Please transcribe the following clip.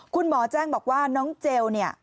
คุณหมอแจ้งบอกว่าน้องเจล